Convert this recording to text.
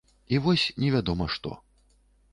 І вось, невядома што.